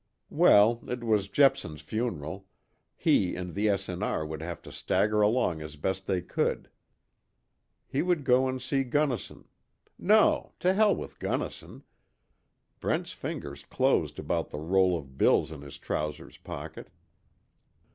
Well, it was Jepson's funeral he and the S. & R. would have to stagger along as best they could. He would go and see Gunnison no, to hell with Gunnison! Brent's fingers closed about the roll of bills in his trousers pocket.